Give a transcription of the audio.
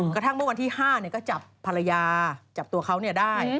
กระทั่งเมื่อวันที่๕ก็จับภรรยาจับตัวเขาได้